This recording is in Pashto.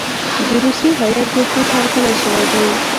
د روسیې هیات ډېر تود هرکلی شوی دی.